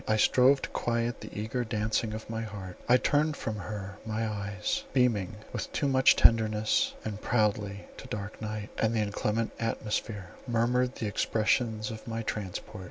I strove to quiet the eager dancing of my heart; I turned from her my eyes, beaming with too much tenderness, and proudly, to dark night, and the inclement atmosphere, murmured the expressions of my transport.